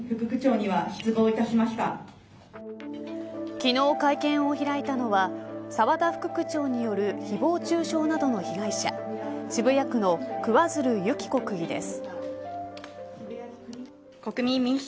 昨日、会見を開いたのは澤田副区長による誹謗中傷などの被害者渋谷区の桑水流弓紀子区議です。